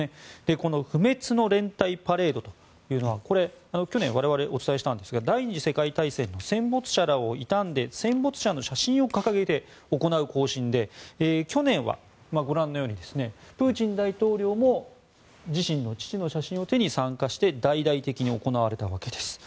この不滅の連隊パレードというのはこれ、去年我々お伝えしたんですが第２次世界大戦の戦没者らを悼んで戦没者の写真を掲げて行う行進で去年はご覧のようにプーチン大統領も自身の父の写真を手に参加して大々的に行われたわけです。